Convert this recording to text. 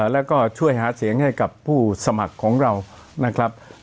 แล้วก็ช่วยหาเสียงให้กับผู้สมัครของเรานะครับ